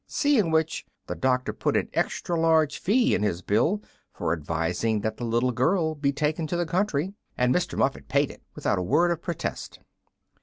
Seeing which, the doctor put an extra large fee in his bill for advising that the little girl be taken to the country; and Mr. Muffet paid it without a word of protest.